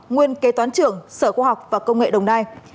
nguyên kế toán trưởng sở khoa học và công nghệ đồng nai